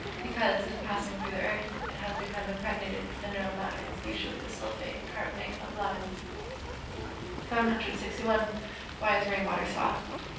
_ Because, in passing through the earth, it has become impregnated with mineral matters, usually the sulphate and carbonate of lime. 761. _Why is rain water soft?